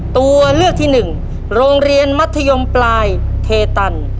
ตัวเลือกที่หนึ่งโรงเรียนมัธยมปลายเทตัน